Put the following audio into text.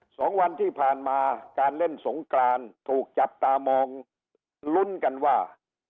สองวันที่ผ่านมาการเล่นสงกรานถูกจับตามองลุ้นกันว่า